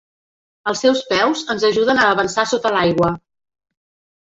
Els seus peus ens ajuden a avançar sota l'aigua.